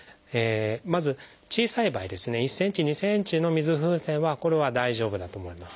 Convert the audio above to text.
まず小さい場合ですね１ｃｍ２ｃｍの水風船はこれは大丈夫だと思います。